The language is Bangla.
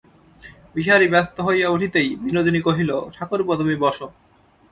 বিহারী ব্যস্ত হইয়া উঠিতেই বিনোদিনী কহিল, ঠাকুরপো, তুমি বসো।